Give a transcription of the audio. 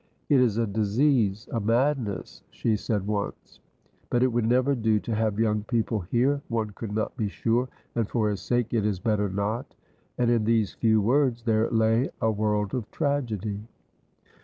"It is a disease a madness," she said once, "but it would never do to have young people here; one could not be sure, and for his sake it is better not," and in these few words there lay a world of tragedy.